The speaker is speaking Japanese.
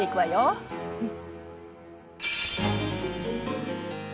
うん。